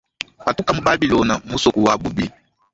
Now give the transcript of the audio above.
Patuka mu babilona musoko wa bubi.